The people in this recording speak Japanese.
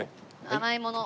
甘いもの。